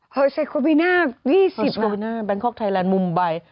เฮอร์เซโคบิน่า๒๐บังคก์ไทยแลนด์มุมไบร์